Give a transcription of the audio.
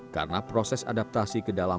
karena proses adaptasi ke dalam